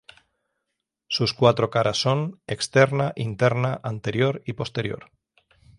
Sus cuatro caras son: Externa, interna, anterior y posterior.